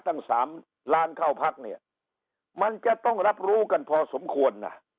ตั้ง๓ล้านเข้าพักเนี่ยมันจะต้องรับรู้กันพอสมควรนะ